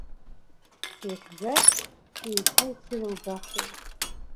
Слыхьӡар, еиҭа ицәырылгахуеит.